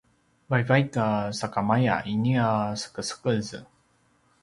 vaivaik sakamaya inia sekesekez